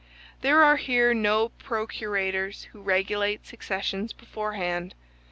There are here no procurators who regulate successions beforehand.